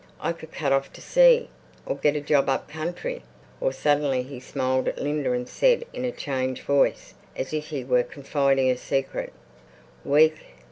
I could cut off to sea, or get a job up country, or—" Suddenly he smiled at Linda and said in a changed voice, as if he were confiding a secret, "Weak...